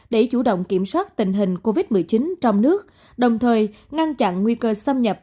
để chủ động kiểm soát tình hình covid một mươi chín trong nước đồng thời ngăn chặn nguy cơ xâm nhập